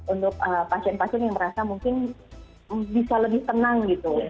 untuk pasien pasien yang merasa mungkin bisa lebih tenang gitu